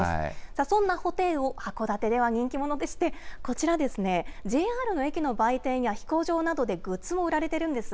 さあ、そんなホテイウオ、函館では人気者でして、こちらですね、ＪＲの駅の売店や、飛行場などでグッズも売られてるんです。